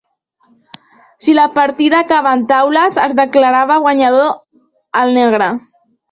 Si la partida acabava en taules, es declarava guanyador el negre.